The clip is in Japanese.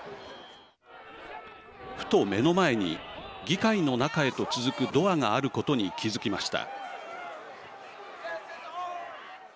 ふと目の前に議会の中へと続くドアがあることに気付きました。